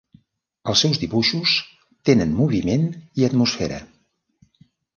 Els seus dibuixos tenen moviment i l'atmosfera.